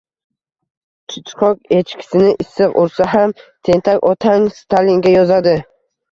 “Chichqoq echkisini issiq ursa ham, tentak otang Stalinga yozadi…”